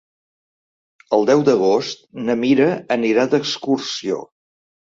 El deu d'agost na Mira anirà d'excursió.